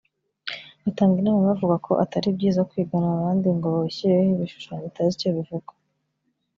Batanga inama bavuga ko atari byiza kwigana abandi ngo wishyireho ibishushanyo utazi icyo bivuga